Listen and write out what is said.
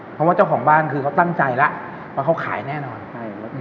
เพราะว่าเจ้าของบ้านคือเขาตั้งใจแล้วว่าเขาขายแน่นอนใช่